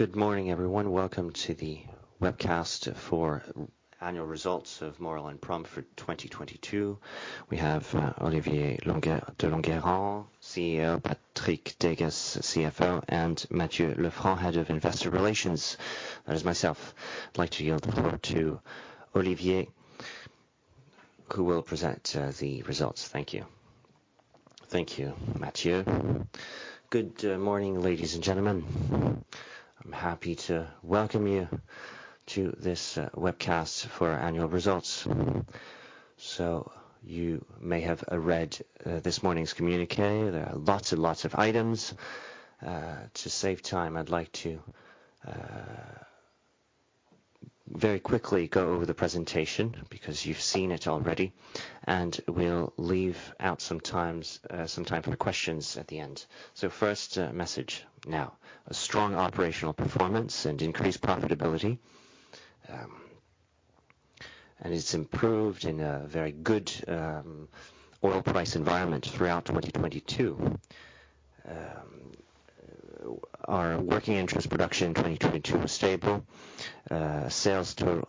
Good morning, everyone. Welcome to the webcast for annual results of Maurel & Prom for 2022. We have Olivier de Langavant, CEO, Patrick Deygas, CFO, and Matthieu Lefrancq, Head of Investor Relations. As myself, I'd like to yield the floor to Olivier, who will present the results. Thank you. Thank you, Matthieu. Good morning, ladies and gentlemen. I'm happy to welcome you to this webcast for our annual results. You may have read this morning's communiqué. There are lots and lots of items. To save time, I'd like to very quickly go over the presentation because you've seen it already, and we'll leave out some time for questions at the end. First, message now. A strong operational performance and increased profitability, and it's improved in a very good oil price environment throughout 2022. Our working interest production in 2022 was stable. Sales totaled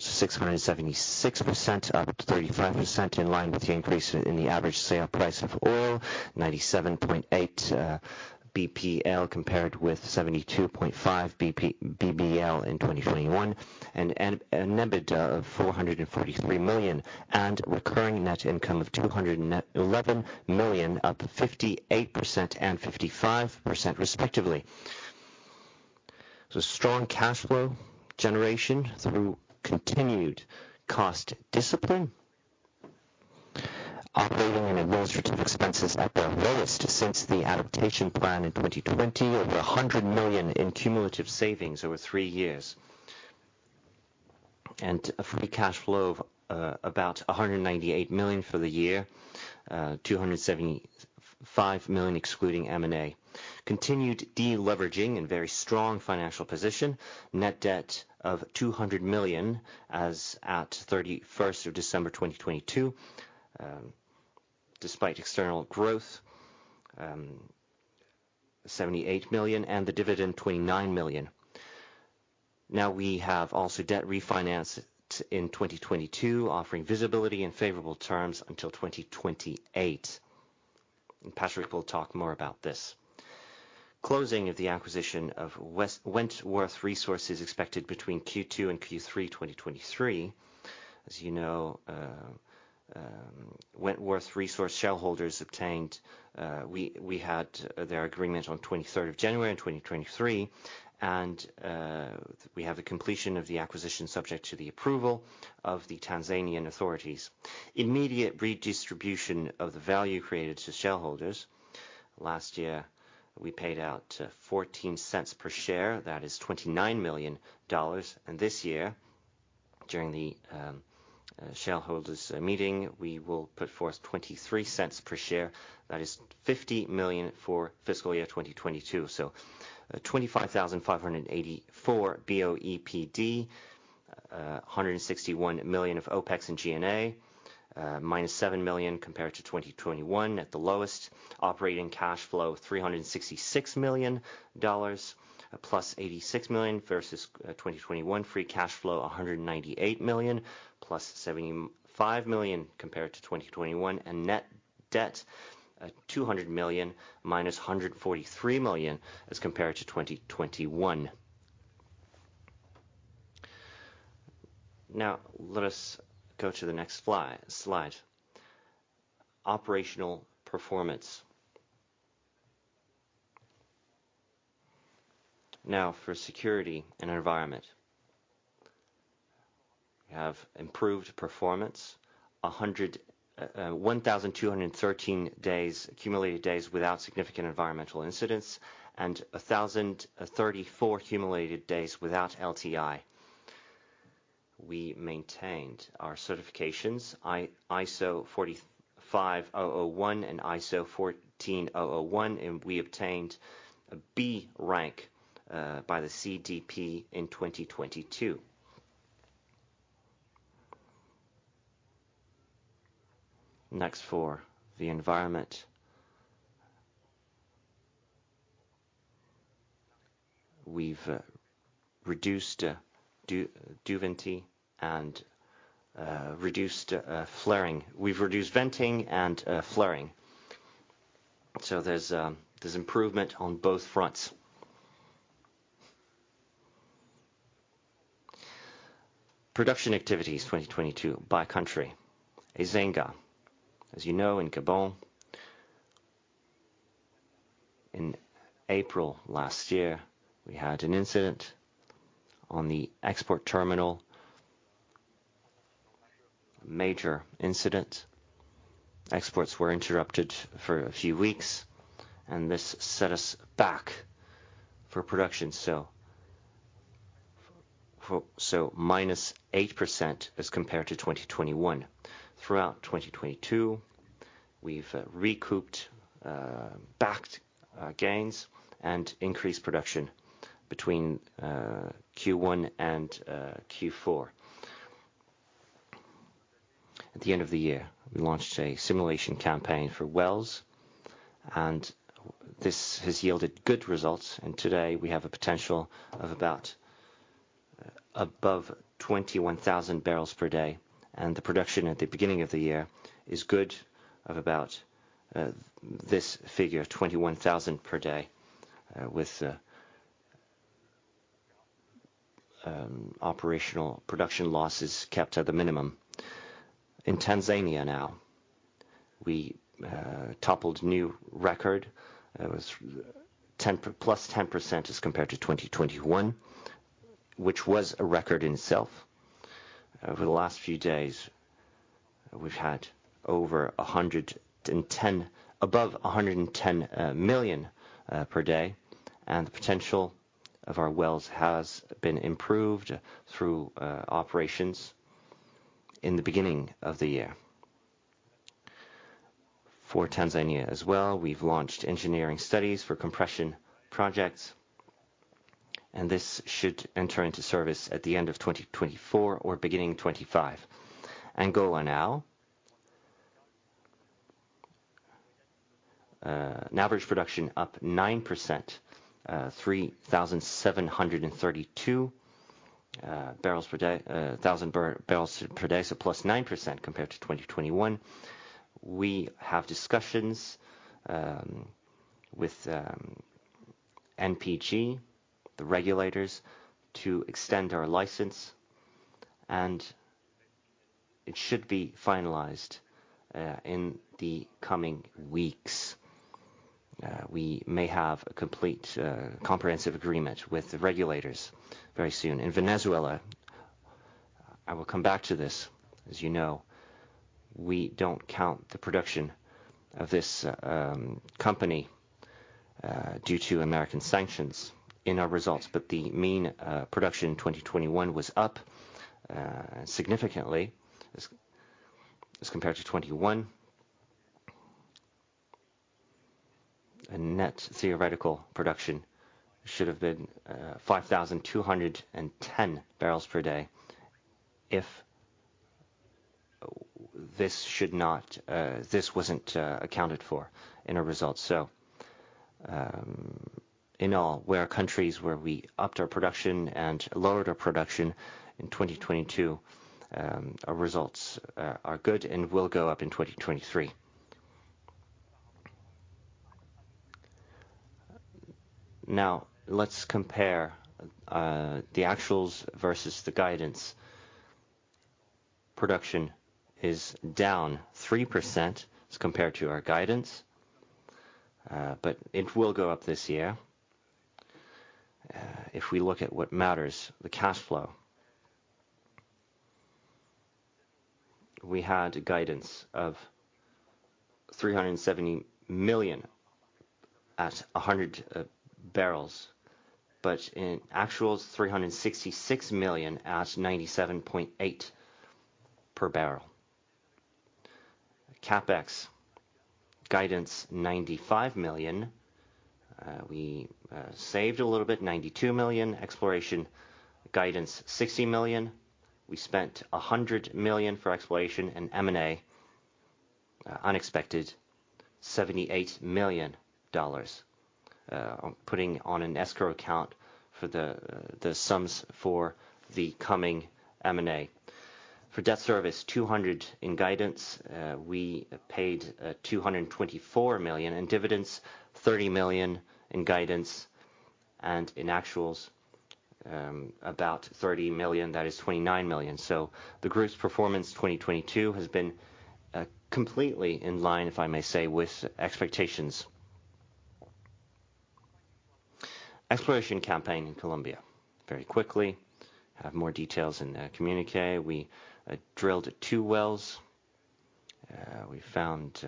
676%, up 35% in line with the increase in the average sale price of oil, 97.8 BBL compared with 72.5 BBL in 2021, and an EBITDA of $443 million, and recurring net income of $211 million, up 58% and 55% respectively. Strong cash flow generation through continued cost discipline. Operating and administrative expenses at their lowest since the adaptation plan in 2020. Over $100 million in cumulative savings over three years. A free cash flow of about $198 million for the year, $275 million excluding M&A. Continued de-leveraging and very strong financial position. Net debt of $200 million as at 31st of December 2022, despite external growth, $78 million and the dividend $29 million. We have also debt refinance in 2022, offering visibility and favorable terms until 2028. Patrick will talk more about this. Closing of the acquisition of Wentworth Resources expected between Q2 and Q3 2023. You know, Wentworth Resources shareholders obtained, we had their agreement on 23rd of January 2023, we have a completion of the acquisition subject to the approval of the Tanzanian authorities. Immediate redistribution of the value created to shareholders. Last year, we paid out $0.14 per share, that is $29 million. This year, during the shareholders meeting, we will put forth $0.23 per share. That is $50 million for fiscal year 2022. 25,584 BOEPD, $161 million of OpEx and G&A, -$7 million compared to 2021 at the lowest. Operating cash flow, $366 million, +$86 million versus 2021. Free cash flow, $198 million, +$75 million compared to 2021. Net debt, $200 million, -$143 million as compared to 2021. Let us go to the next slide. Operational performance. For security and environment. We have improved performance, a hundred... 1,213 days, accumulated days without significant environmental incidents, and 1,034 accumulated days without LTI. We maintained our certifications, ISO 45001 and ISO 14001, and we obtained a B rank by the CDP in 2022. Next for the environment. We've reduced venting and reduced flaring. We've reduced venting and flaring. There's improvement on both fronts. Production activities 2022 by country. Ezanga. As you know, in Gabon, in April last year, we had an incident on the export terminal. A major incident. Exports were interrupted for a few weeks, and this set us back for production -8% as compared to 2021. Throughout 2022, we've recouped back gains and increased production between Q1 and Q4. At the end of the year, we launched a simulation campaign for wells, this has yielded good results, and today we have a potential of about above 21,000 barrels per day. The production at the beginning of the year is good of about this figure, 21,000 per day, with operational production losses kept at the minimum. In Tanzania now, we toppled new record. It was +10% as compared to 2021, which was a record in itself. Over the last few days, we've had above 110 million per day, the potential of our wells has been improved through operations in the beginning of the year. For Tanzania as well, we've launched engineering studies for compression projects. This should enter into service at the end of 2024 or beginning of 2025. Angola now, an average production up 9%, 3,732 barrels per day, +9% compared to 2021. We have discussions with ANPG, the regulators, to extend our license. It should be finalized in the coming weeks. We may have a complete, comprehensive agreement with the regulators very soon. In Venezuela, I will come back to this. As you know, we don't count the production of this company due to American sanctions in our results. The mean production in 2021 was up significantly as compared to 2021. A net theoretical production should have been 5,210 barrels per day if this should not, this wasn't accounted for in our results. In all, we're countries where we upped our production and lowered our production in 2022. Our results are good and will go up in 2023. Now, let's compare the actuals versus the guidance. Production is down 3% as compared to our guidance, it will go up this year. If we look at what matters, the cash flow. We had a guidance of $370 million at 100 barrels, in actuals, $366 million at 97.8 per barrel. CapEx, guidance, $95 million. We saved a little bit, $92 million. Exploration, guidance, $60 million. We spent $100 million for exploration and M&A, unexpected $78 million, on putting on an escrow account for the sums for the coming M&A. For debt service, $200 million in guidance. We paid $224 million. In dividends, $30 million in guidance, and in actuals, about $30 million, that is $29 million. The group's performance 2022 has been completely in line, if I may say, with expectations. Exploration campaign in Colombia. Very quickly, have more details in the communiqué. We drilled two wells. We found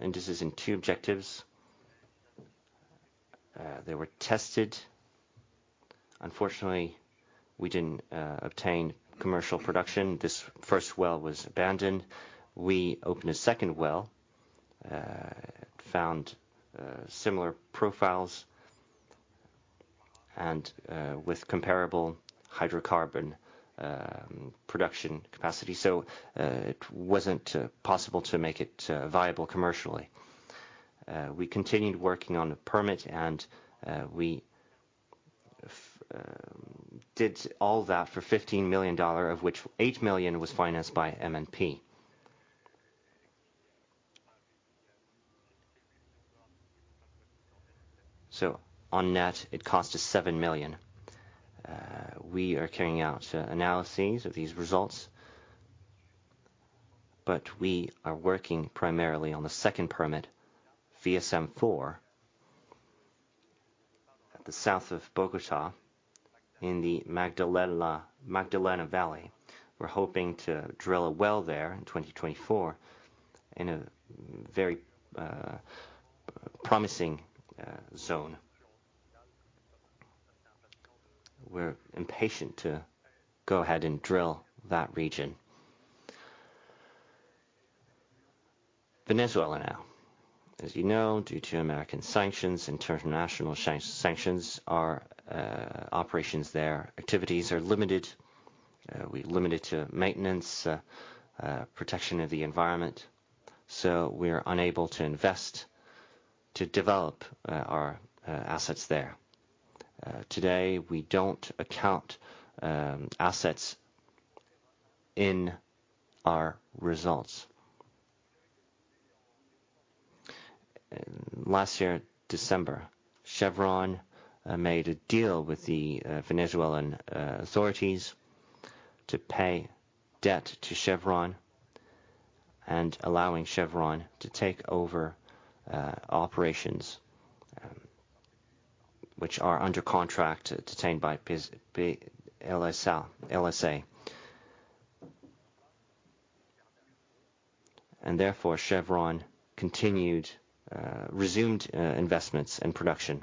indices in two objectives. They were tested. Unfortunately, we didn't obtain commercial production. This first well was abandoned. We opened a second well, found similar profiles and with comparable hydrocarbon production capacity. It wasn't possible to make it viable commercially. We continued working on the permit, and we did all that for $15 million of which $8 million was financed by M&P. On net, it cost us $7 million. We are carrying out analyses of these results, but we are working primarily on the second permit, VSM-4, at the south of Bogotá in the Magdalena Valley. We're hoping to drill a well there in 2024 in a very promising zone. We're impatient to go ahead and drill that region. Venezuela now. As you know, due to American sanctions, international sanctions, our operations there, activities are limited. We limited to maintenance, protection of the environment. We're unable to invest to develop our assets there. Today, we don't account assets in our results. Last year, December, Chevron made a deal with the Venezuelan authorities to pay debt to Chevron and allowing Chevron to take over operations which are under contract detained by Bus-B-LSA, LSA. Chevron continued resumed investments and production.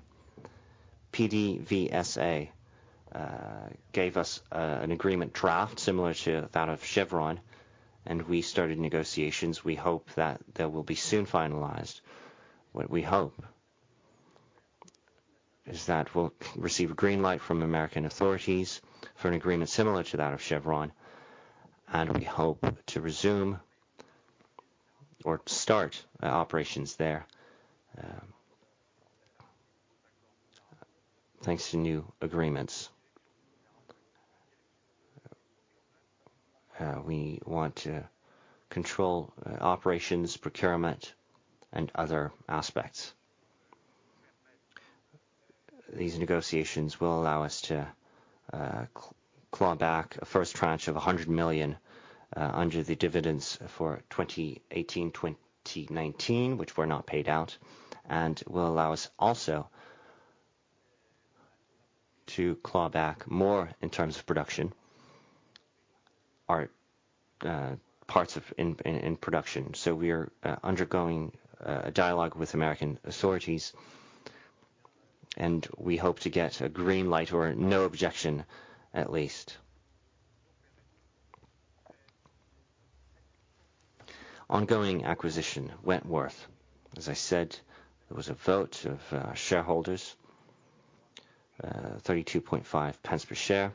PDVSA gave us an agreement draft similar to that of Chevron. We started negotiations, we hope that they will be soon finalized. What we hope is that we'll receive a green light from American authorities for an agreement similar to that of Chevron. We hope to resume or start operations there thanks to new agreements. We want to control operations, procurement, and other aspects. These negotiations will allow us to claw back a first tranche of $100 million under the dividends for 2018, 2019, which were not paid out, and will allow us also to claw back more in terms of production or parts of production. We are undergoing a dialogue with American authorities, and we hope to get a green light or no objection, at least. Ongoing acquisition, Wentworth. As I said, there was a vote of shareholders, 32.5 pence per share.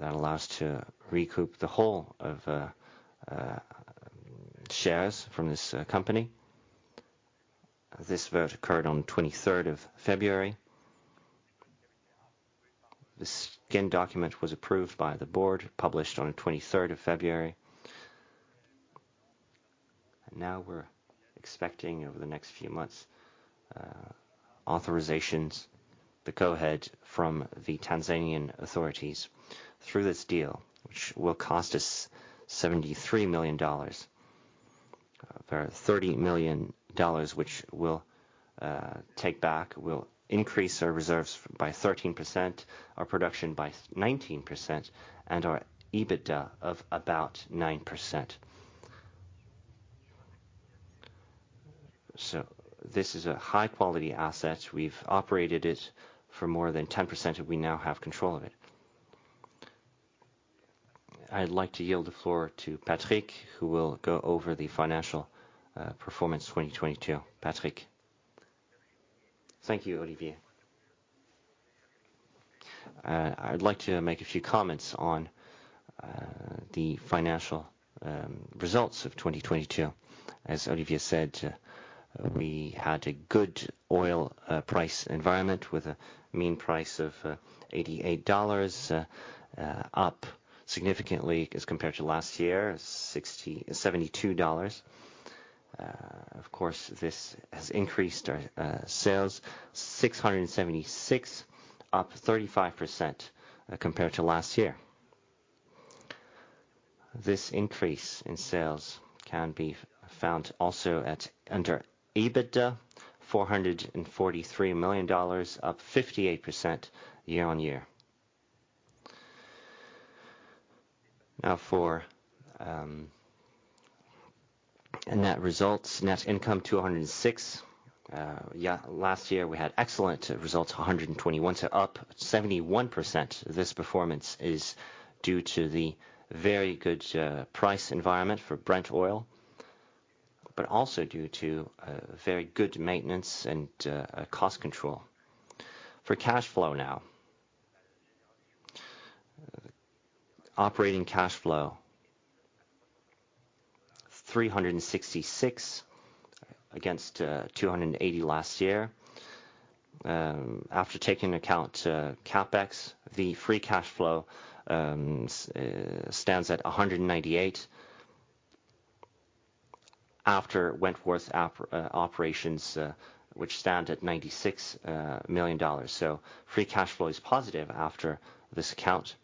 That allows to recoup the whole of shares from this company. This vote occurred on 23rd of February. The Scheme Document was approved by the board, published on the 23rd of February. Now we're expecting over the next few months, authorizations to go ahead from the Tanzanian authorities through this deal, which will cost us $73 million. For $30 million, which we'll take back. We'll increase our reserves by 13%, our production by 19%, and our EBITDA of about 9%. This is a high-quality asset. We've operated it for more than 10%, and we now have control of it. I'd like to yield the floor to Patrick, who will go over the financial performance 2022. Patrick. Thank you, Olivier. I'd like to make a few comments on the financial results of 2022. As Olivier said, we had a good oil price environment with a mean price of $88, up significantly as compared to last year, $72. Of course, this has increased our sales $676, up 35% compared to last year. This increase in sales can be found also at under EBITDA, $443 million, up 58% year-on-year. For net results. Net income $206. Last year we had excellent results, $121, so up 71%. This performance is due to the very good price environment for Brent Oil, but also due to very good maintenance and cost control. For cash flow now. Operating cash flow, $366 against $280 last year. After taking account CapEx, the free cash flow stands at $198 after Wentworth operations, which stand at $96 million. Free cash flow is positive after this account.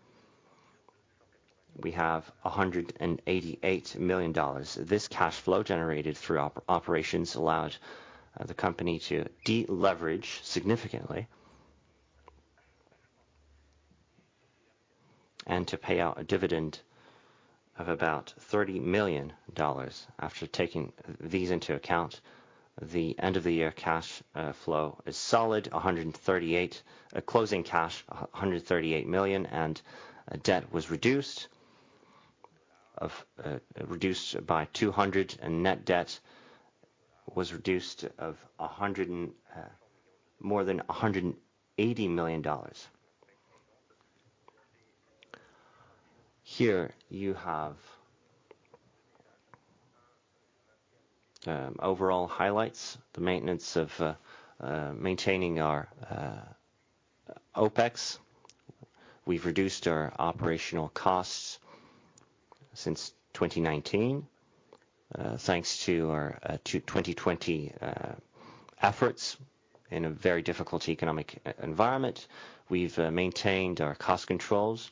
We have $188 million. This cash flow generated through operations allowed the company to deleverage significantly and to pay out a dividend of about $30 million. After taking these into account. The end of the year cash flow is solid, $138 million. Closing cash, $138 million, and debt was reduced by $200 million, and net debt was reduced by more than $180 million. Here you have overall highlights, the maintenance of maintaining our OpEx. We've reduced our operational costs since 2019, thanks to our 2020 efforts in a very difficult economic environment. We've maintained our cost controls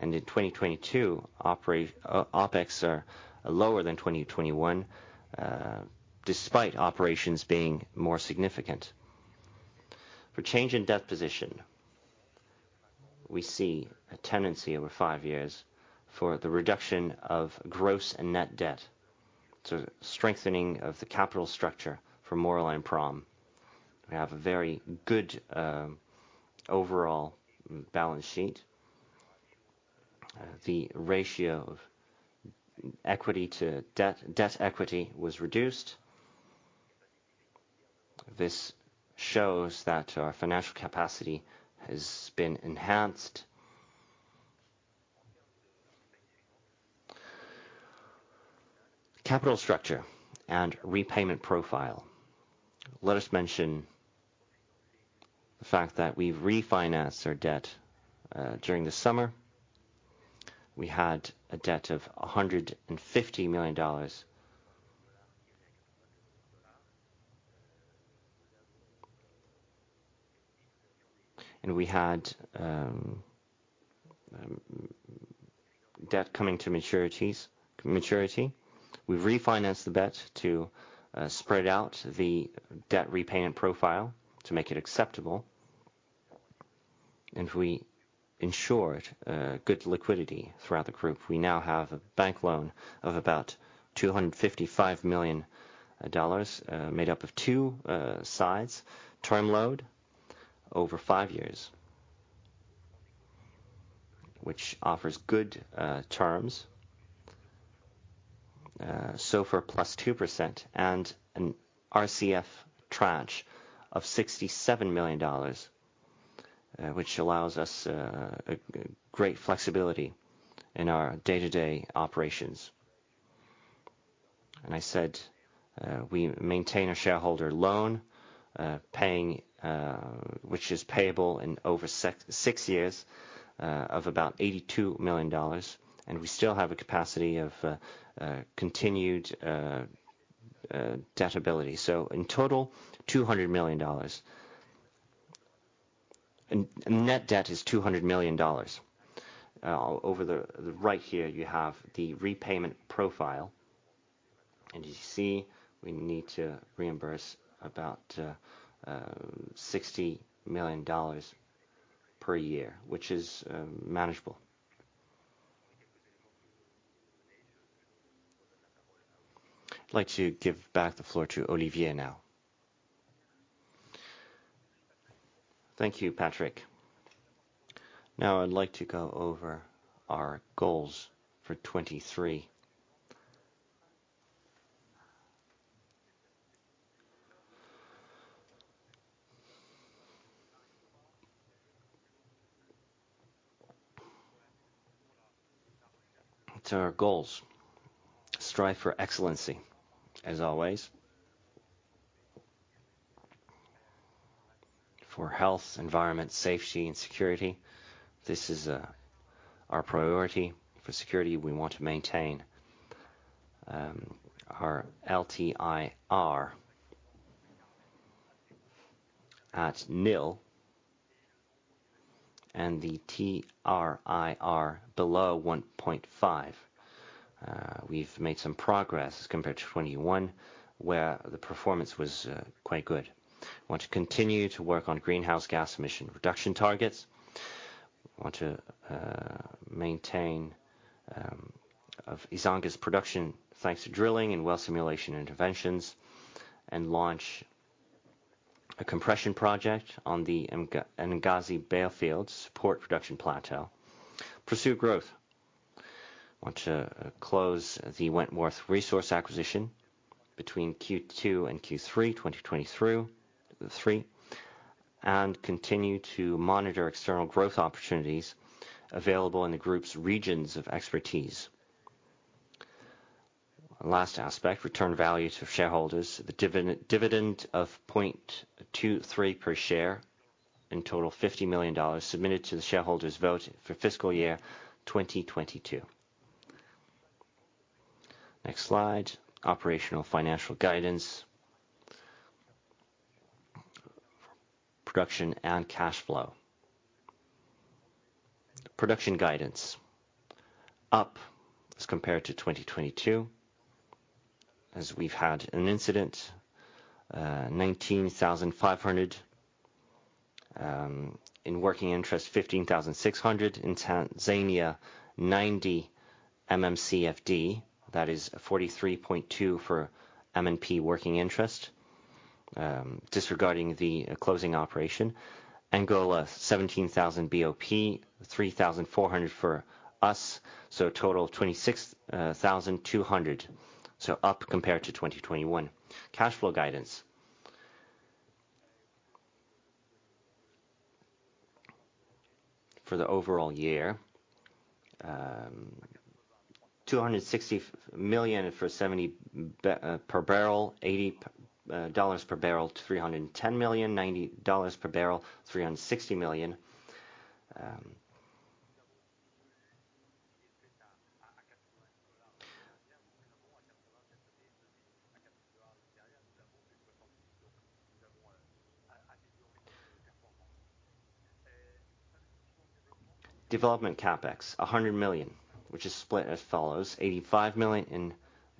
and in 2022. OpEx are lower than 2021, despite operations being more significant. For change in debt position, we see a tendency over 5 years for the reduction of gross and net debt, so strengthening of the capital structure for Maurel & Prom. We have a very good overall balance sheet. The ratio of equity to debt equity was reduced. This shows that our financial capacity has been enhanced. Capital structure and repayment profile. Let us mention the fact that we've refinanced our debt during the summer. We had a debt of $150 million. We had debt coming to maturity. We refinanced the debt to spread out the debt repayment profile to make it acceptable, and we ensured good liquidity throughout the group. We now have a bank loan of about $255 million, made up of two sides, term loan over 5 years, which offers good terms. For +2% and an RCF tranche of $67 million, which allows us great flexibility in our day-to-day operations. I said, we maintain a shareholder loan, paying, which is payable in over 6 years, of about $82 million, and we still have a capacity of continued debt ability. In total, $200 million. Net debt is $200 million. Over the right here you have the repayment profile, and you see we need to reimburse about $60 million per year, which is manageable. I'd like to give back the floor to Olivier now. Thank you, Patrick. I'd like to go over our goals for 23. To our goals. Strive for excellence, as always. For health, environment, safety, and security, this is our priority. For security, we want to maintain our LTIR at nil and the TRIR below 1.5. We've made some progress compared to 21, where the performance was quite good. We want to continue to work on greenhouse gas emission reduction targets. We want to maintain of Ezanga's production, thanks to drilling and well simulation interventions, and launch a compression project on the NNyanga-Mayombé, support production plateau. Pursue growth. Want to close the Wentworth Resources acquisition between Q2 and Q3 2023, and continue to monitor external growth opportunities available in the group's regions of expertise. Last aspect, return value to shareholders. The dividend of $0.23 per share, in total $50 million, submitted to the shareholders vote for fiscal year 2022. Next slide, operational financial guidance. Production and cash flow. Production guidance, up as compared to 2022, as we've had an incident, 19,500. In working interest 15,600. In Tanzania, 90 MMcf/d. That is 43.2 MMcf/d working interest, disregarding the closing operation. Angola, 17,000 BOP, 3,400 for us. Total 26,200. Up compared to 2021. Cash flow guidance. For the overall year, $260 million for $70 per barrel, $80 per barrel, $310 million, $90 per barrel, $360 million. Development CapEx, $100 million, which is split as follows $85 million in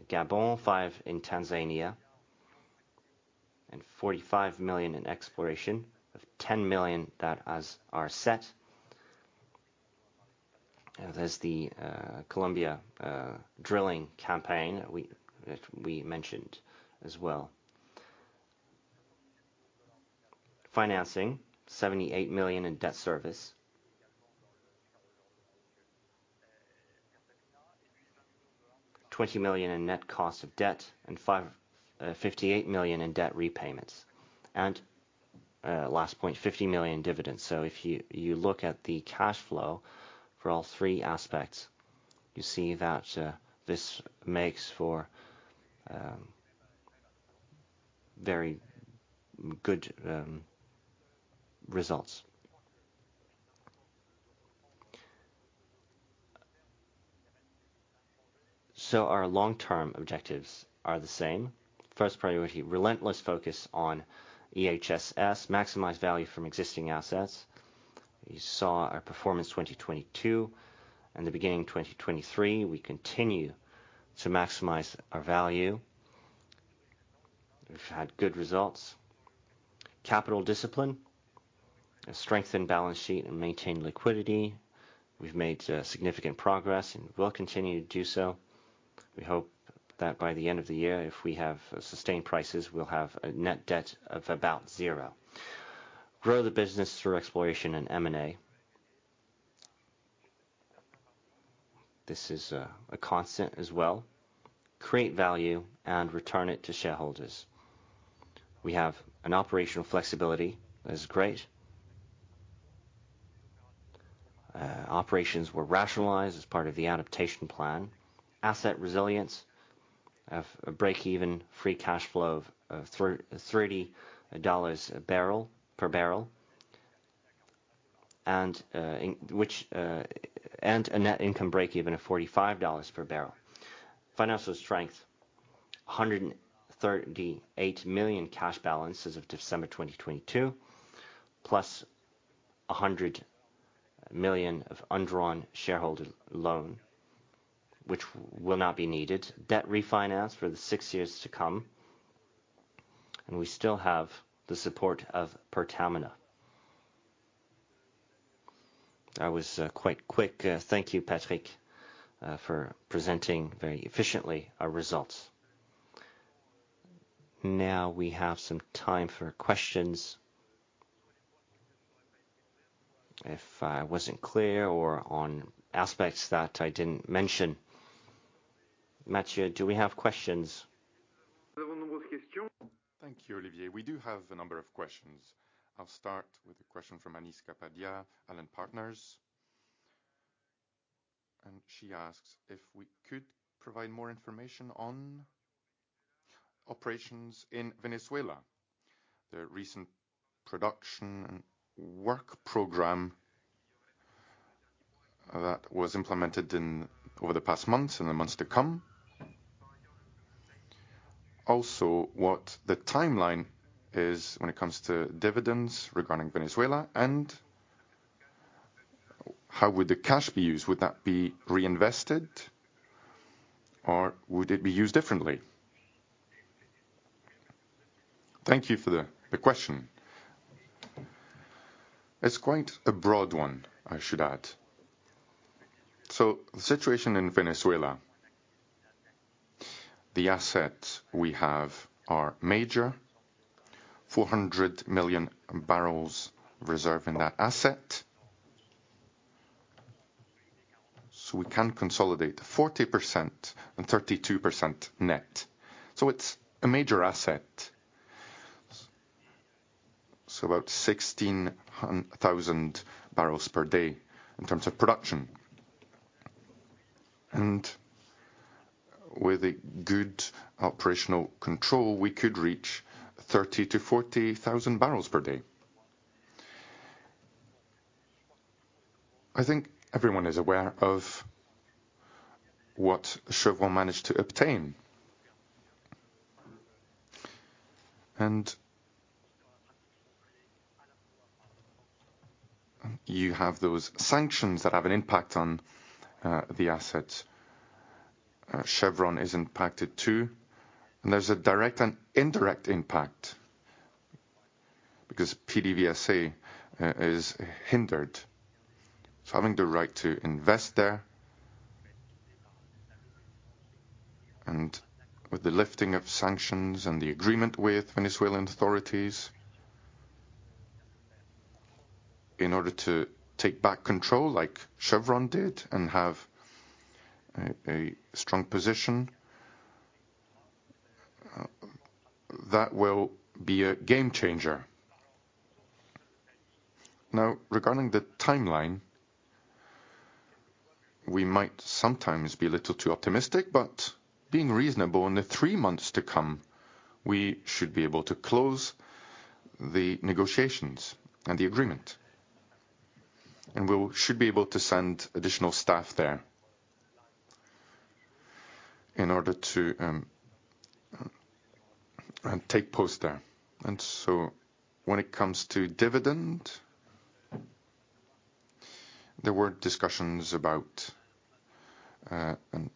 Gabon, $5 million in Tanzania, $45 million in exploration of $10 million that as are set. There's the Colombia drilling campaign that we mentioned as well. Financing, $78 million in debt service. $20 million in net cost of debt, $58 million in debt repayments. Last point, $50 million dividends. If you look at the cash flow for all three aspects, you see that this makes for very good results. Our long-term objectives are the same. First priority, relentless focus on EHSS, maximize value from existing assets. You saw our performance 2022 and the beginning of 2023, we continue to maximize our value. We've had good results. Capital discipline, strengthen balance sheet and maintain liquidity. We've made significant progress and will continue to do so. We hope that by the end of the year, if we have sustained prices, we'll have a net debt of about zero. Grow the business through exploration and M&A. This is a constant as well. Create value and return it to shareholders. We have an operational flexibility that is great. Operations were rationalized as part of the adaptation plan. Asset resilience of a break-even free cash flow of $30 a barrel. in which... a net income break even of $45 per barrel. Financial strength, $138 million cash balance as of December 2022, plus $100 million of undrawn shareholder loan, which will not be needed. Debt refinance for the six years to come. We still have the support of Pertamina. I was quite quick. Thank you, Patrick, for presenting very efficiently our results. Now we have some time for questions. If I wasn't clear or on aspects that I didn't mention. Matthieu, do we have questions? Thank you, Olivier. We do have a number of questions. I'll start with a question from Anish Kapadia, AKAP Energy, and she asks if we could provide more information on operations in Venezuela, the recent production and work program that was implemented in over the past months and the months to come. What the timeline is when it comes to dividends regarding Venezuela, and how would the cash be used? Would that be reinvested or would it be used differently? Thank you for the question. It's quite a broad one, I should add. The situation in Venezuela, the assets we have are major, 400 million barrels reserve in that asset. We can consolidate 40% and 32% net. It's a major asset. About 16 thousand barrels per day in terms of production. With a good operational control, we could reach 30-40 thousand barrels per day. I think everyone is aware of what Chevron managed to obtain. You have those sanctions that have an impact on the asset. Chevron is impacted too, and there's a direct and indirect impact because PDVSA is hindered. Having the right to invest there, and with the lifting of sanctions and the agreement with Venezuelan authorities in order to take back control like Chevron did and have a strong position, that will be a game changer. Regarding the timeline, we might sometimes be a little too optimistic, but being reasonable in the three months to come, we should be able to close the negotiations and the agreement, and we should be able to send additional staff there in order to take post there. When it comes to dividend, there were discussions about an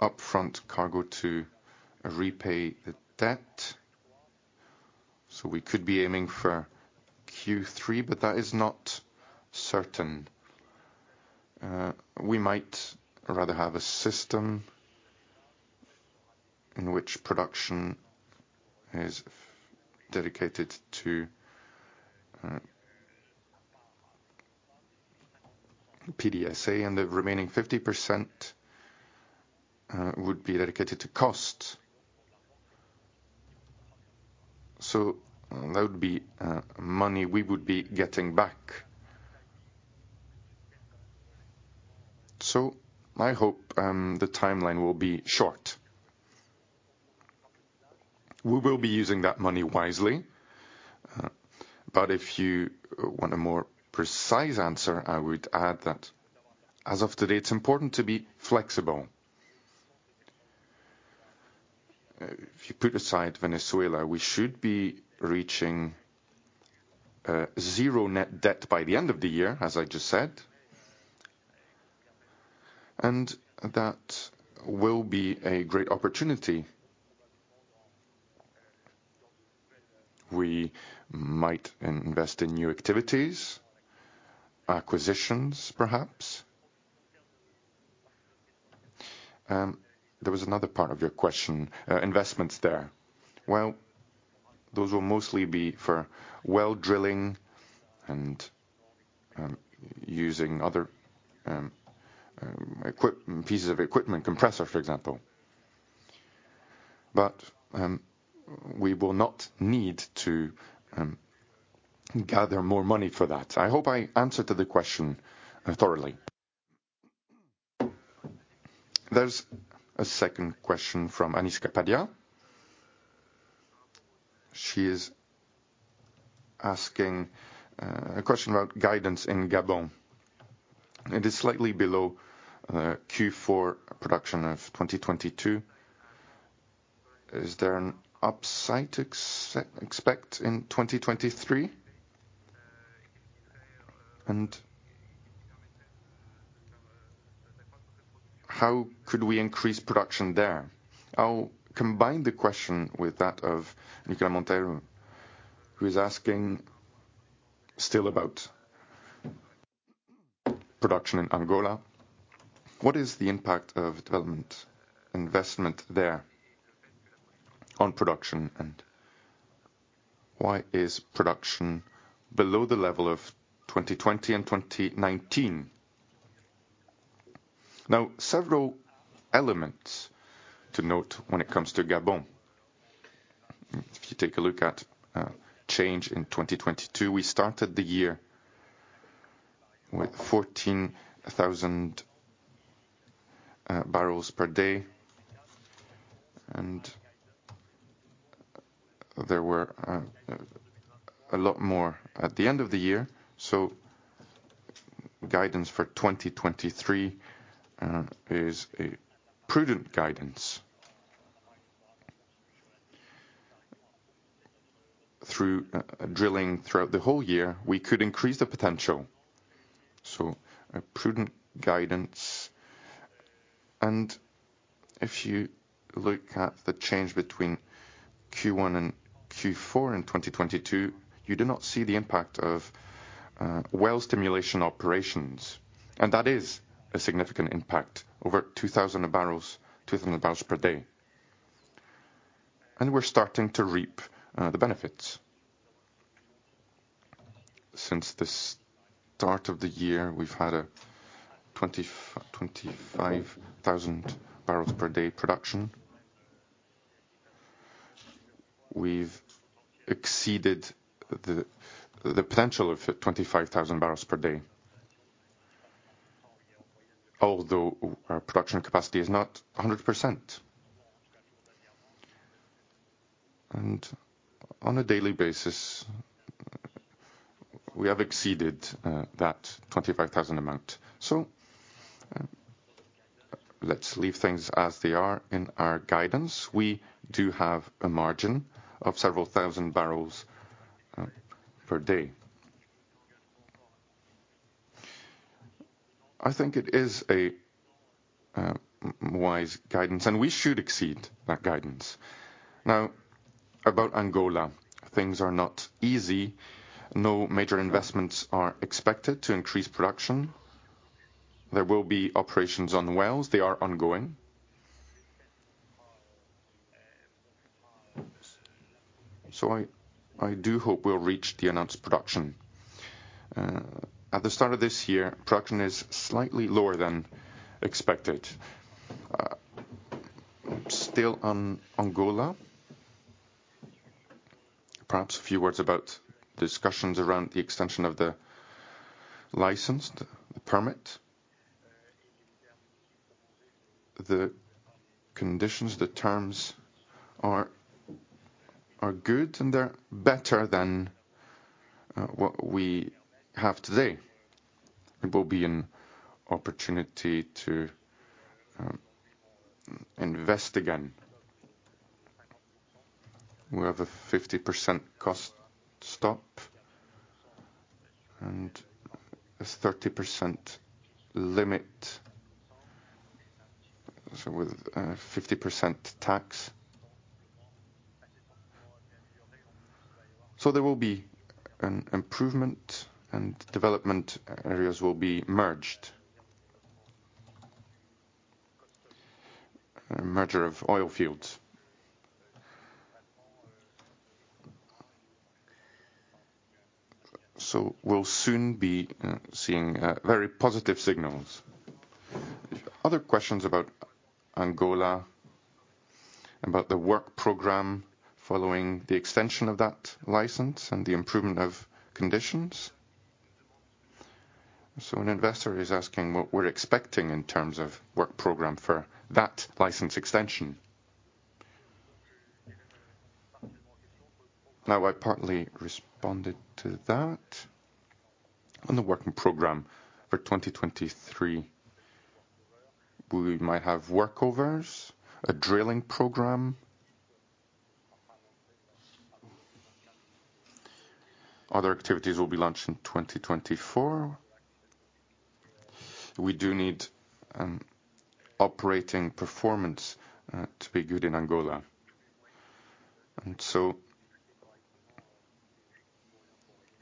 upfront cargo to repay the debt, so we could be aiming for Q3, but that is not certain. We might rather have a system in which production is dedicated to PDVSA, and the remaining 50%, would be dedicated to cost. That would be money we would be getting back. I hope the timeline will be short. We will be using that money wisely, but if you want a more precise answer, I would add that as of today, it's important to be flexible. If you put aside Venezuela, we should be reaching zero net debt by the end of the year, as I just said. That will be a great opportunity. We might invest in new activities, acquisitions, perhaps. There was another part of your question, investments there. Well, those will mostly be for well drilling and using other pieces of equipment, compressor, for example. We will not need to gather more money for that. I hope I answered to the question thoroughly. There's a second question from Anish Kapadia. She is asking a question about guidance in Gabon. It is slightly below Q4 production of 2022. Is there an upside expect in 2023? How could we increase production there? I'll combine the question with that of Nicola Monteiro, who is asking still about production in Angola. What is the impact of development investment there on production, and why is production below the level of 2020 and 2019? Several elements to note when it comes to Gabon. If you take a look at change in 2022, we started the year with 14,000 barrels per day. There were a lot more at the end of the year, so guidance for 2023 is a prudent guidance. Through drilling throughout the whole year, we could increase the potential. A prudent guidance. If you look at the change between Q1 and Q4 in 2022, you do not see the impact of well stimulation operations, and that is a significant impact, over 2,000 barrels, 2,000 barrels per day. We're starting to reap the benefits. Since the start of the year, we've had a 25,000 barrels per day production. We've exceeded the potential of 25,000 barrels per day, although our production capacity is not 100%. On a daily basis, we have exceeded that 25,000 amount. Let's leave things as they are in our guidance. We do have a margin of several thousand barrels per day. I think it is a wise guidance, and we should exceed that guidance. About Angola, things are not easy. No major investments are expected to increase production. There will be operations on the wells. They are ongoing. I do hope we'll reach the announced production. At the start of this year, production is slightly lower than expected. Still on Angola, perhaps a few words about discussions around the extension of the licensed permit. The conditions, the terms are good, and they're better than what we have today. It will be an opportunity to invest again. We have a 50% cost stop and a 30% limit, so with 50% tax. There will be an improvement and development areas will be merged. Merger of oil fields. We'll soon be seeing very positive signals. Other questions about Angola, about the work program following the extension of that license and the improvement of conditions. An investor is asking what we're expecting in terms of work program for that license extension. Now, I partly responded to that. On the working program for 2023, we might have workovers, a drilling program. Other activities will be launched in 2024. We do need operating performance to be good in Angola, and so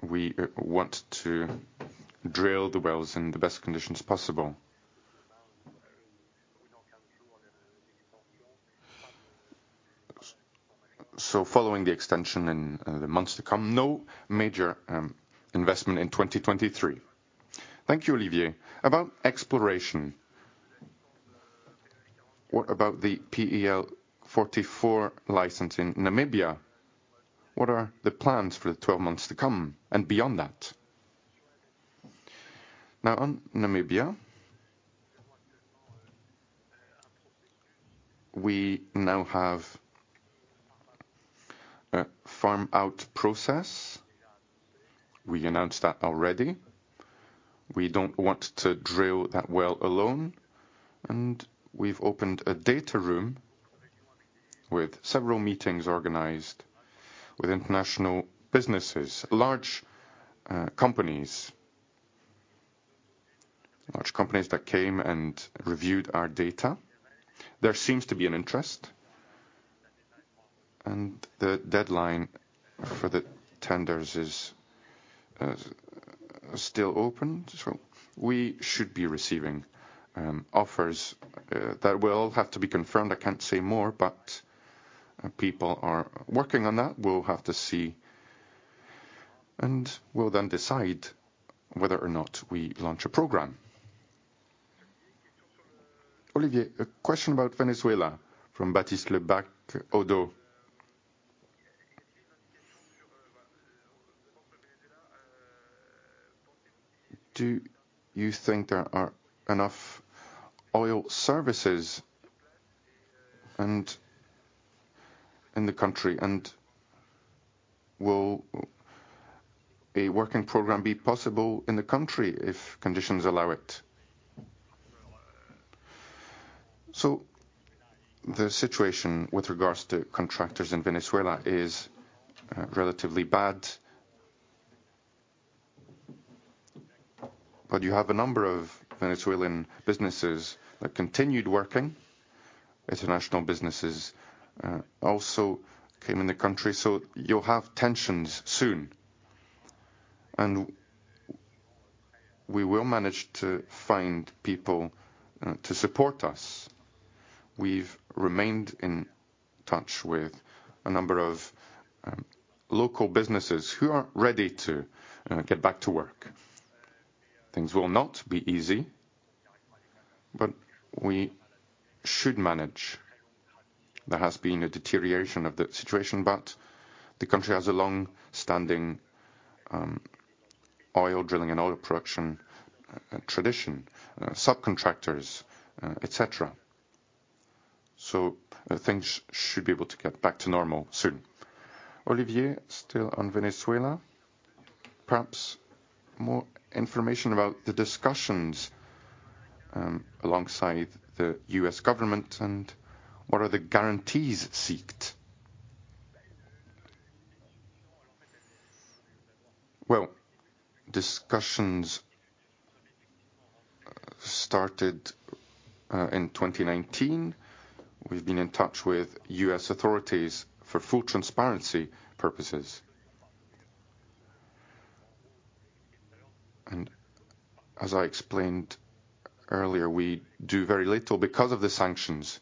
we want to drill the wells in the best conditions possible. Following the extension in the months to come, no major investment in 2023. Thank you, Olivier. About exploration, what about the PEL 44 license in Namibia? What are the plans for the 12 months to come and beyond that? On Namibia, we now have a farm-out process. We announced that already. We don't want to drill that well alone. We've opened a data room with several meetings organized with international businesses, large companies. Large companies that came and reviewed our data. There seems to be an interest. The deadline for the tenders is still open, so we should be receiving offers that will have to be confirmed. I can't say more, but people are working on that. We'll have to see. We'll then decide whether or not we launch a program. Olivier, a question about Venezuela from Baptiste Lebacq, ODDO. Do you think there are enough oil services in the country and will a working program be possible in the country if conditions allow it? The situation with regards to contractors in Venezuela is relatively bad. You have a number of Venezuelan businesses that continued working. International businesses also came in the country, you'll have tensions soon. We will manage to find people to support us. We've remained in touch with a number of local businesses who are ready to get back to work. Things will not be easy, we should manage. There has been a deterioration of the situation, the country has a long-standing oil drilling and oil production tradition, subcontractors, et cetera. Things should be able to get back to normal soon. Olivier, still on Venezuela, perhaps more information about the discussions, alongside the U.S. government and what are the guarantees sought? Well, discussions started in 2019. We've been in touch with U.S. authorities for full transparency purposes. As I explained earlier, we do very little because of the sanctions.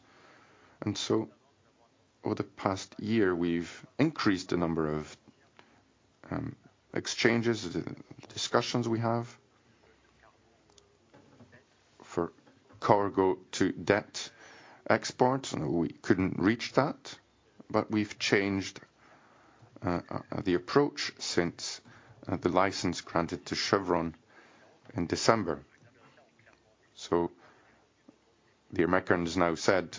Over the past year, we've increased the number of exchanges, the discussions we have for cargo to debt exports, and we couldn't reach that, but we've changed the approach since the license granted to Chevron in December. The Americans now said,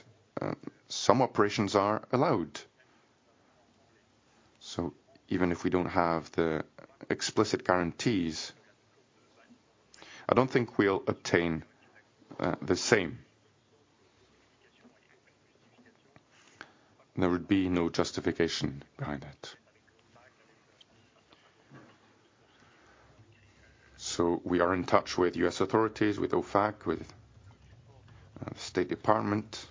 some operations are allowed. Even if we don't have the explicit guarantees, I don't think we'll obtain the same. There would be no justification behind it. We are in touch with U.S. authorities, with OFAC, with State Department.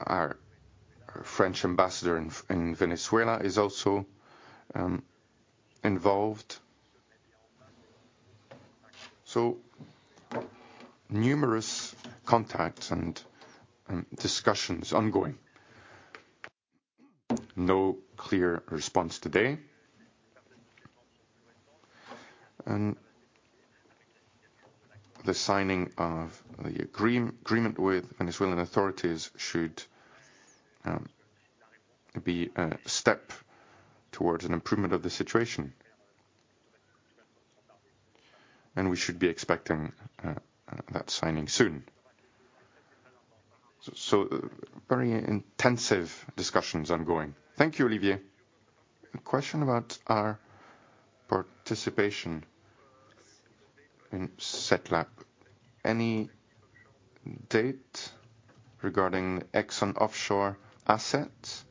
Our French ambassador in Venezuela is also involved. Numerous contacts and discussions ongoing. No clear response today. The signing of the agreement with Venezuelan authorities should be a step towards an improvement of the situation. We should be expecting that signing soon. Very intensive discussions ongoing. Thank you, Olivier. A question about our participation in Seplat. Any date regarding ExxonOffshore assets?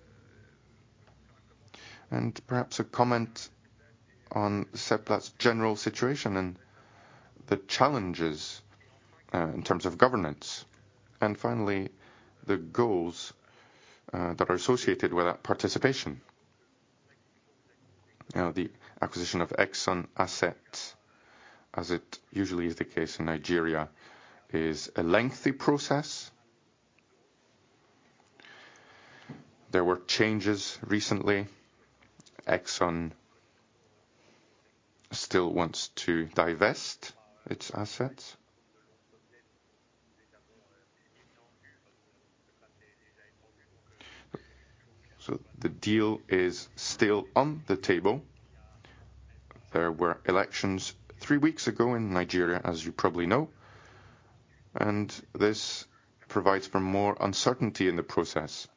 Perhaps a comment on Seplat's general situation and the challenges in terms of governance. Finally, the goals that are associated with that participation. You know, the acquisition of Exxon assets, as it usually is the case in Nigeria, is a lengthy process. There were changes recently. Exxon still wants to divest its assets. The deal is still on the table. There were elections three weeks ago in Nigeria, as you probably know. This provides for more uncertainty in the process.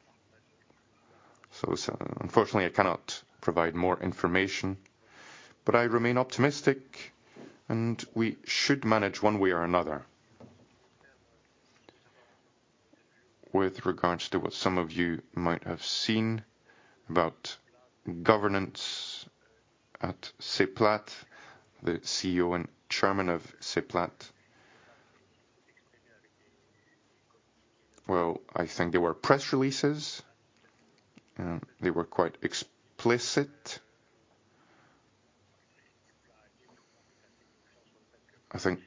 Unfortunately, I cannot provide more information, but I remain optimistic, and we should manage one way or another. With regards to what some of you might have seen about governance at Seplat, the CEO and chairman of Seplat. Well, I think there were press releases. They were quite explicit. I think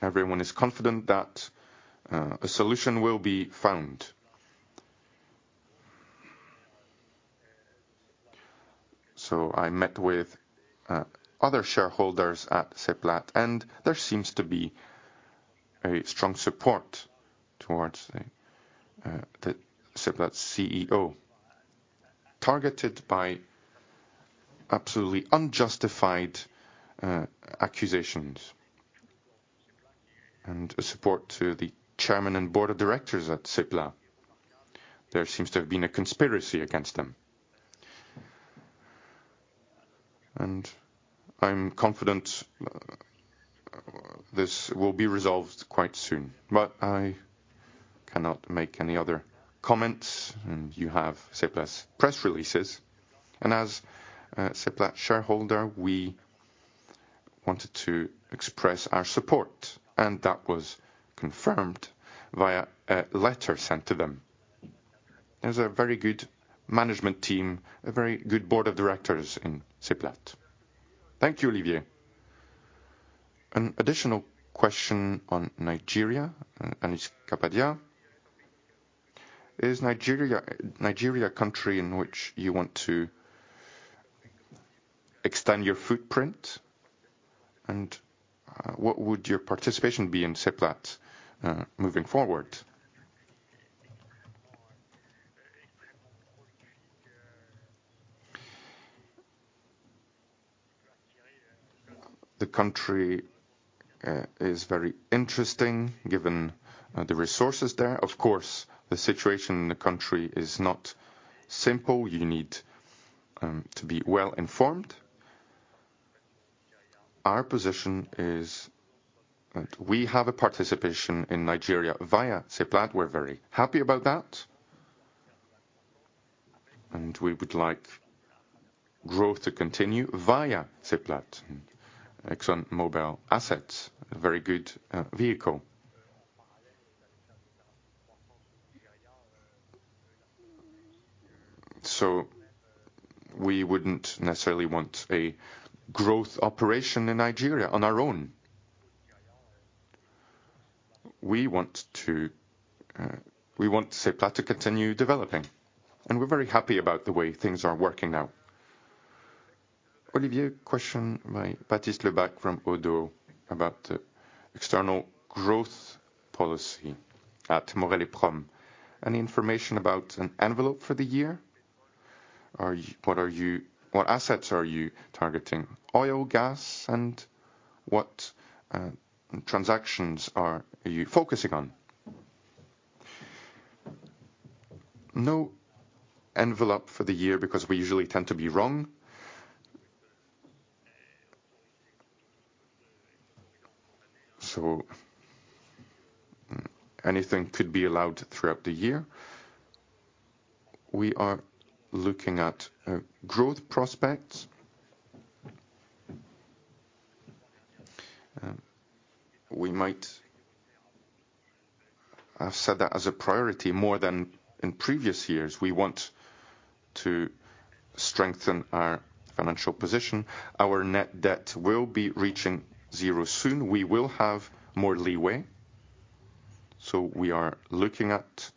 everyone is confident that a solution will be found. I met with other shareholders at Seplat, and there seems to be a strong support towards the Seplat CEO, targeted by absolutely unjustified accusations, and a support to the chairman and board of directors at Seplat. There seems to have been a conspiracy against them. I'm confident this will be resolved quite soon. I cannot make any other comments, and you have Seplat's press releases. As a Seplat shareholder, we wanted to express our support, and that was confirmed via a letter sent to them. There's a very good management team, a very good board of directors in Seplat. Thank you, Olivier. An additional question on Nigeria, Anish Kapadia. Is Nigeria a country in which you want to extend your footprint? What would your participation be in Seplat moving forward? The country is very interesting given the resources there. Of course, the situation in the country is not simple. You need to be well-informed. Our position is that we have a participation in Nigeria via Seplat. We're very happy about that. We would like growth to continue via Seplat. ExxonMobil assets, a very good vehicle. We wouldn't necessarily want a growth operation in Nigeria on our own. We want to, we want Seplat to continue developing, and we're very happy about the way things are working now. Olivier, question by Baptiste Lebacq from ODDO about external growth policy at Maurel & Prom. Any information about an envelope for the year? What assets are you targeting? Oil, gas, what transactions are you focusing on? No envelope for the year because we usually tend to be wrong. Anything could be allowed throughout the year. We are looking at growth prospects. I've said that as a priority more than in previous years. We want to strengthen our financial position. Our net debt will be reaching zero soon. We will have more leeway, we are looking at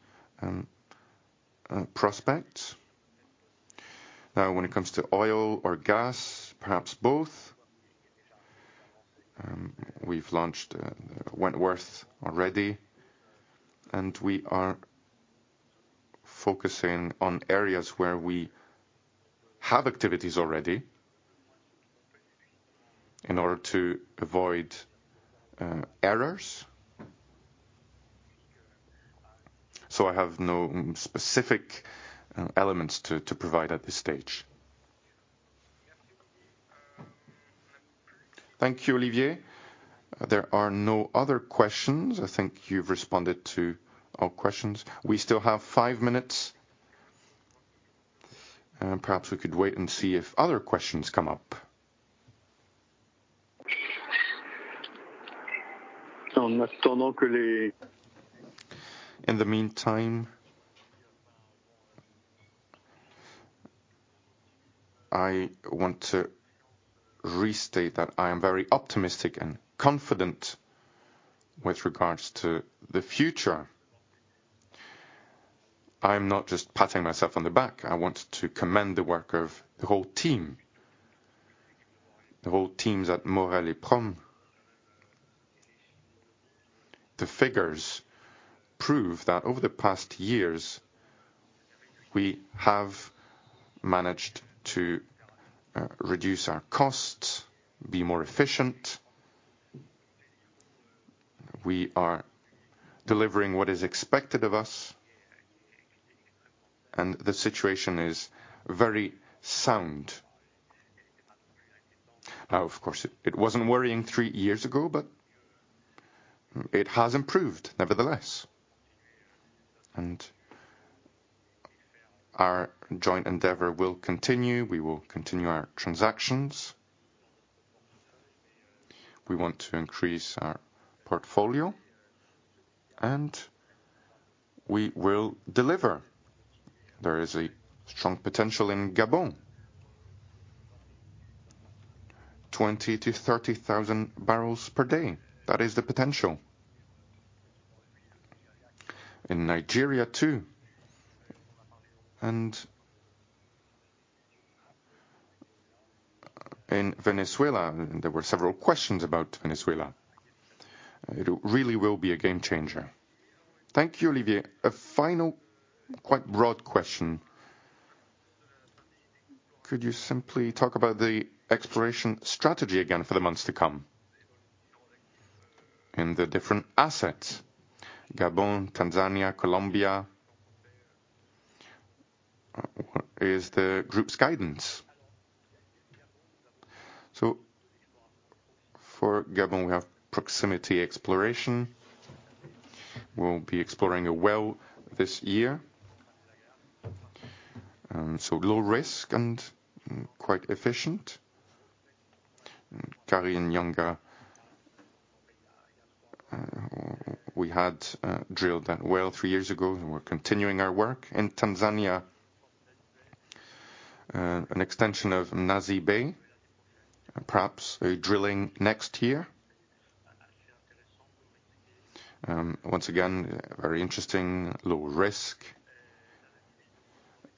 prospects. Now, when it comes to oil or gas, perhaps both, we've launched Wentworth already, and we are focusing on areas where we have activities already in order to avoid errors. I have no specific elements to provide at this stage. Thank you, Olivier. There are no other questions. I think you've responded to all questions. We still have five minutes. Perhaps we could wait and see if other questions come up. In the meantime, I want to restate that I am very optimistic and confident with regards to the future. I'm not just patting myself on the back. I want to commend the work of the whole team, the whole teams at Maurel & Prom. The figures prove that over the past years, we have managed to reduce our costs, be more efficient. We are delivering what is expected of us. The situation is very sound. Now, of course, it wasn't worrying three years ago, it has improved nevertheless. Our joint endeavor will continue. We will continue our transactions. We want to increase our portfolio, and we will deliver. There is a strong potential in Gabon. 20,000-30,000 barrels per day. That is the potential. In Nigeria, too. In Venezuela, there were several questions about Venezuela. It really will be a game changer. Thank you, Olivier. A final, quite broad question. Could you simply talk about the exploration strategy again for the months to come in the different assets, Gabon, Tanzania, Colombia? What is the group's guidance? For Gabon, we have proximity exploration. We'll be exploring a well this year, so low risk and quite efficient. Kari and Yanga, we had drilled that well 3 years ago, and we're continuing our work. In Tanzania, an extension of Mnazi Bay, perhaps a drilling next year. Once again, very interesting low risk.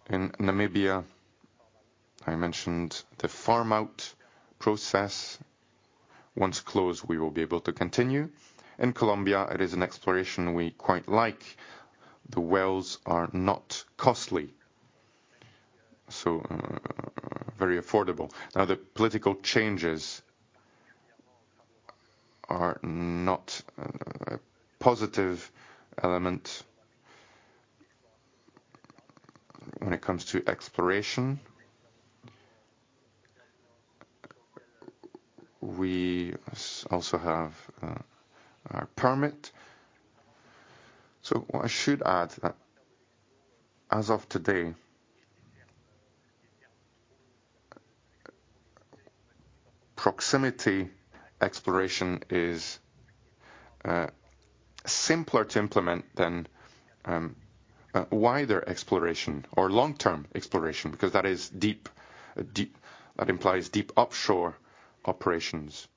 In Namibia, I mentioned the farm-out process. Once closed, we will be able to continue. In Colombia, it is an exploration we quite like. The wells are not costly, so very affordable. Now, the political changes are not a positive element. When it comes to exploration, we also have our permit. What I should add, that as of today, proximity exploration is simpler to implement than wider exploration or long-term exploration, because that implies deep offshore operations,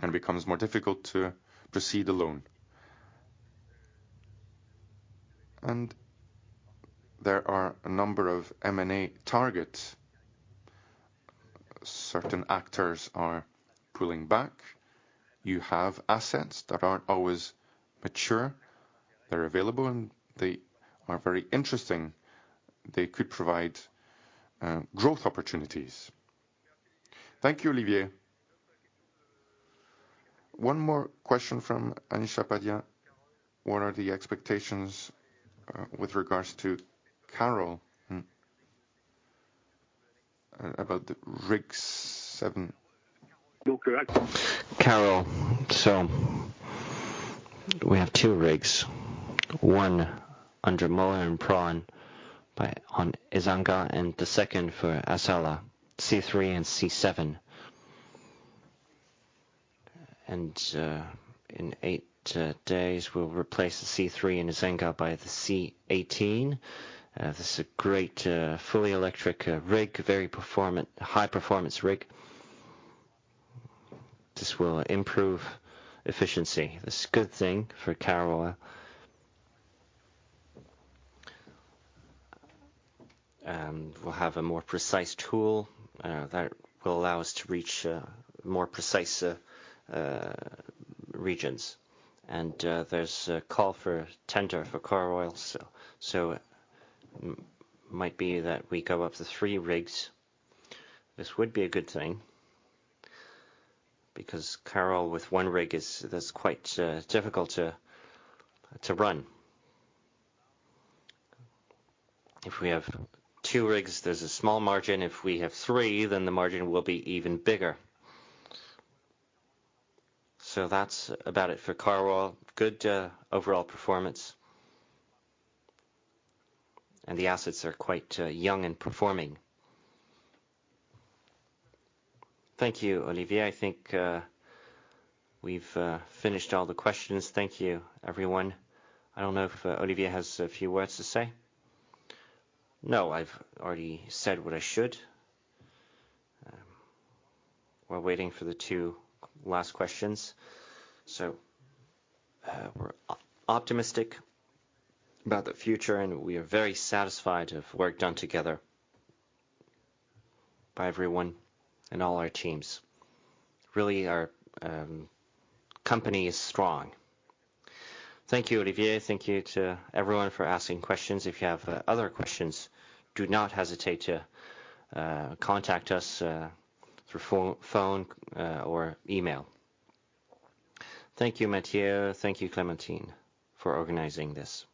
and becomes more difficult to proceed alone. There are a number of M&A targets. Certain actors are pulling back. You have assets that aren't always mature, they're available, and they are very interesting. They could provide growth opportunities. Thank you, Olivier. One more question from Anish Kapadia. What are the expectations with regards to Caroil about the rig 7? Okay. Caroil. We have two rigs, one under Maurel & Prom on Ezanga, and the second for Assala, C3 and C7. In 8 days, we'll replace the C3 in Ezanga by the C18. This is a great, fully electric, rig, very performant, high performance rig. This will improve efficiency. This is a good thing for Caroil. We'll have a more precise tool that will allow us to reach more precise regions. There's a call for tender for Caroil, so it might be that we go up to three rigs. This would be a good thing because Caroil with one rig is. That's quite difficult to run. If we have two rigs, there's a small margin. If we have three, the margin will be even bigger. That's about it for Caroil. Good overall performance. The assets are quite young and performing. Thank you, Olivier. I think we've finished all the questions. Thank you, everyone. I don't know if Olivier has a few words to say. No, I've already said what I should. While waiting for the two last questions. We're optimistic about the future, and we are very satisfied of work done together by everyone and all our teams. Really, our company is strong. Thank you, Olivier. Thank you to everyone for asking questions. If you have other questions, do not hesitate to contact us through phone or email. Thank you, Matthieu. Thank you Clementine for organizing this.